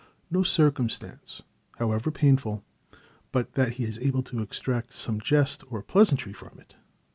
No circumstance, however painful, but that he is able to extract some jest or pleasantry from it.